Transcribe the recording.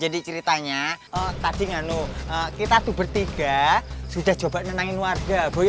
jadi ceritanya tadi kita bertiga sudah coba menangin warga bu